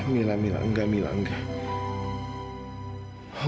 mila mila enggak mila enggak